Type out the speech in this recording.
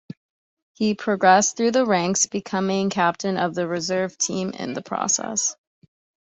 He progressed through the ranks, becoming captain of the Reserve Team in the process.